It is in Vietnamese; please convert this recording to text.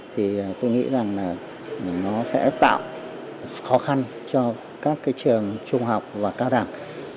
thì tôi nghĩ rằng là nó sẽ tạo khó khăn cho các cái trường trung học và cao đẳng